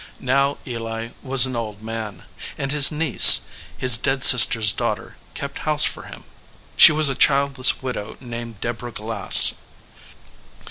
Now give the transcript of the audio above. Now Eli was an old man, and his niece, his dead sister s daughter, kept house for him. She was a childless widow, named Deborah Glass.